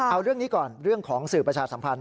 เอาเรื่องนี้ก่อนเรื่องของสื่อประชาสัมพันธ